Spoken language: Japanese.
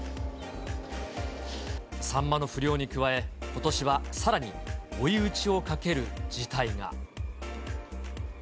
サンマの不漁に加え、ことしはさらに追い打ちをかける事態が。